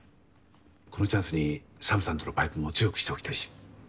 このチャンスにＳＡＭさんとのパイプも強くしておきたいし。